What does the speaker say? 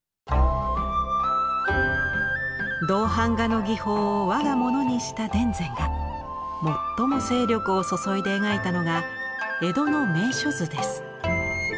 銅版画の技法を我が物にした田善が最も精力を注いで描いたのが江戸の名所図です。